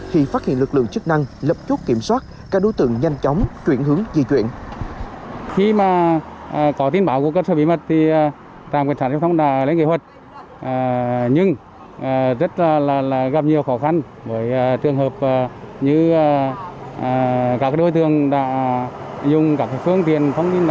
khi phát hiện lực lượng chức năng lập chốt kiểm soát các đối tượng nhanh chóng chuyển hướng di chuyển